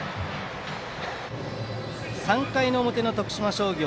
３回表の徳島商業。